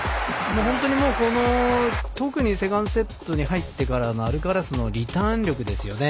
本当に特にセカンドセットに入ってからのアルカラスのリターン力ですよね。